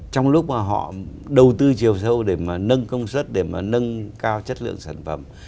trong lúc mà họ đầu tư chiều sâu để mà nâng công suất để mà nâng cao chất lượng sản phẩm